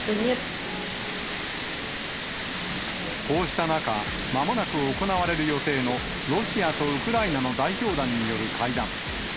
こうした中、まもなく行われる予定のロシアとウクライナの代表団による会談。